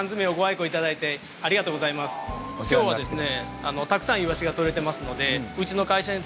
今日はですね